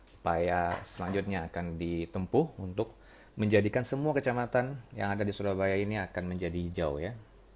supaya selanjutnya akan ditempuh untuk menjadikan semua kecamatan yang ada di surabaya ini akan menjadi hijau ya